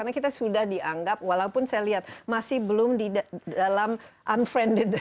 karena kita sudah dianggap walaupun saya lihat masih belum di dalam unfriended